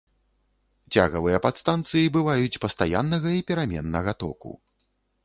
Цягавыя падстанцыі бываюць пастаяннага і пераменнага току.